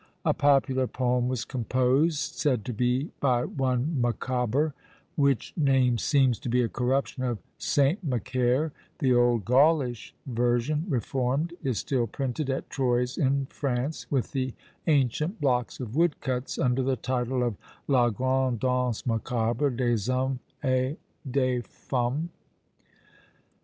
A popular poem was composed, said to be by one Macaber, which name seems to be a corruption of St. Macaire; the old Gaulish version, reformed, is still printed at Troyes, in France, with the ancient blocks of woodcuts, under the title of "La Grande Danse Macabre des Hommes et des Femmes."